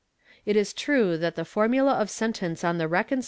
It is true that the formula of sentence on the reconciled.